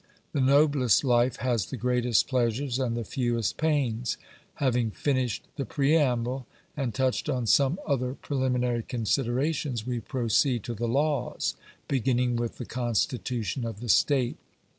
The noblest life has the greatest pleasures and the fewest pains...Having finished the preamble, and touched on some other preliminary considerations, we proceed to the Laws, beginning with the constitution of the state.